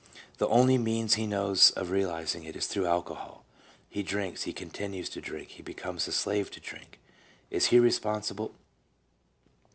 The only means he knows of realizing it is through alcohol ; he drinks, he continues to drink, he becomes a slave to drink; is he responsible?